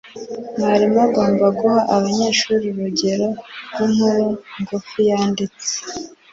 mwarimu agomba guha abanyeshuri urugero rw'inkuru ngufi yanditse